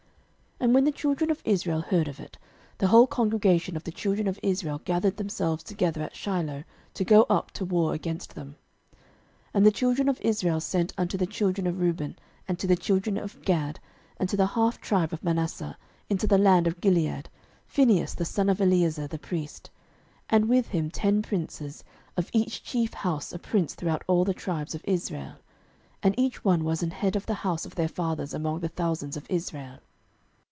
06:022:012 And when the children of Israel heard of it, the whole congregation of the children of Israel gathered themselves together at Shiloh, to go up to war against them. 06:022:013 And the children of Israel sent unto the children of Reuben, and to the children of Gad, and to the half tribe of Manasseh, into the land of Gilead, Phinehas the son of Eleazar the priest, 06:022:014 And with him ten princes, of each chief house a prince throughout all the tribes of Israel; and each one was an head of the house of their fathers among the thousands of Israel.